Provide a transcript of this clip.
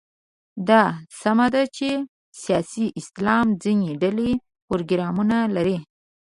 دا سمه ده چې سیاسي اسلام ځینې ډلې پروګرامونه لري.